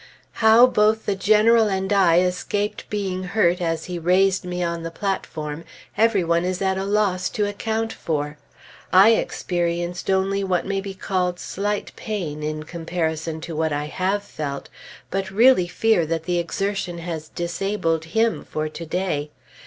How both the General and I escaped being hurt as he raised me on the platform, every one is at a loss to account for. I experienced only what may be called slight pain, in comparison to what I have felt; but really fear that the exertion has disabled him for to day.